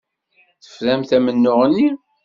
Teframt amennuɣ-nni.